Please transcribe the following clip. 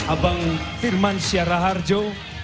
abang firman syahra harjo